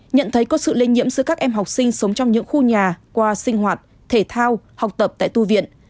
nhận thấy có sự lây nhiễm giữa các em học sinh sống trong những khu nhà qua sinh hoạt thể thao học tập tại tu viện